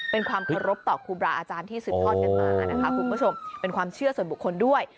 เป็นความเคารพต่อครูบาอาจารย์ที่สืบทอดกันมานะคะคุณผู้ชมเป็นความเชื่อส่วนบุคคลด้วย